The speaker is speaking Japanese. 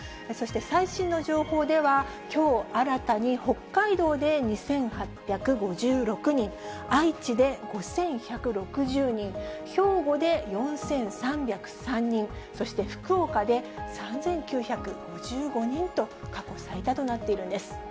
そして、最新の情報では、きょう新たに北海道で２８５６人、愛知で５１６０人、兵庫で４３０３人、そして、福岡で３９５５人と過去最多となっているんです。